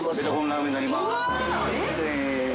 すいません。